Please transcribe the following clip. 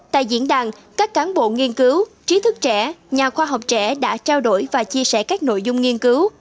tại diễn đàn các cán bộ nghiên cứu trí thức trẻ nhà khoa học trẻ đã trao đổi và chia sẻ các nội dung nghiên cứu